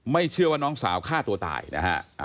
เชื่อว่าน้องสาวฆ่าตัวตายนะฮะ